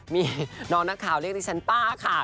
นี่น้องนักข่าวเรียกดิฉันป้าค่ะ